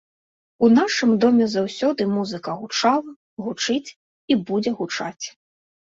У нашым доме заўсёды музыка гучала, гучыць і будзе гучаць.